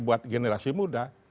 buat generasi muda